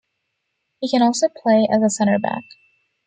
He can also play as a centre back.